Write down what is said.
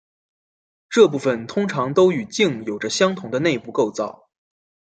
这部分通常都与茎有着相同的内部构造。